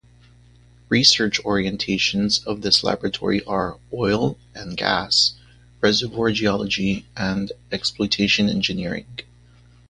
Research orientations of this laboratory are: oil and gas reservoir geology and exploitation engineering.